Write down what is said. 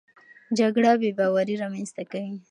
جګړه بېباوري رامنځته کوي.